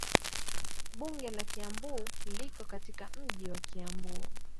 Bunge la Kiambu liko katika mji wa Kiambu.